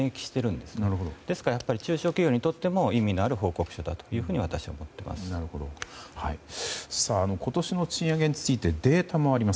ですから中小企業にとっても意味のある報告書だと今年の賃上げについてデータもあります。